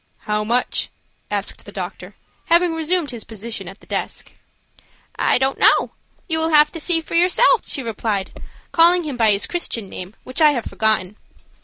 "How much?" asked the doctor, having resumed his position at the desk. "I don't know. You will have to see for yourself," she replied, calling him by his Christian name, which I have forgotten.